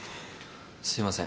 すいません